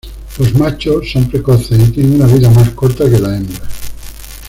Los machos son precoces y tienen una vida más corta que las hembras.